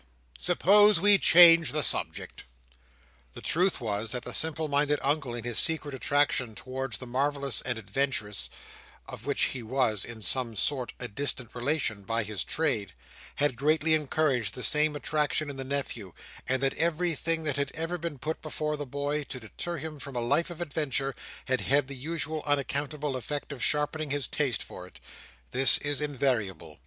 suppose we change the subject." The truth was, that the simple minded Uncle in his secret attraction towards the marvellous and adventurous—of which he was, in some sort, a distant relation, by his trade—had greatly encouraged the same attraction in the nephew; and that everything that had ever been put before the boy to deter him from a life of adventure, had had the usual unaccountable effect of sharpening his taste for it. This is invariable.